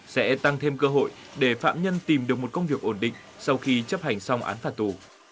sẽ tăng thêm cơ hội để phạm nhân tìm được một công việc ổn định sau khi chấp hành xong án phạt tù